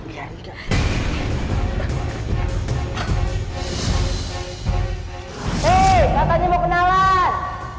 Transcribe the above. hei kakaknya mau kenalan